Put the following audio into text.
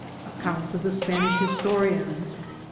— Accounts of the Spanish Historians.